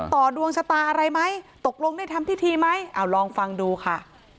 ดวงชะตาอะไรไหมตกลงได้ทำพิธีไหมเอาลองฟังดูค่ะ